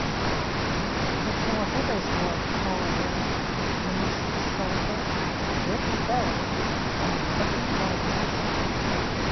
The four hitters were Carl Reynolds, Moose Solters, Rick Ferrell, and Bucky Walters.